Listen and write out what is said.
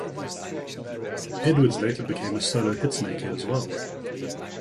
Edwards later became a solo hits maker as well.